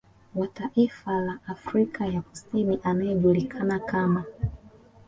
Wa taifa la Afrika ya Kusini anayejulikana kama